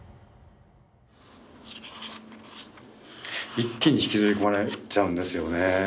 一気に引きずり込まれちゃうんですよね。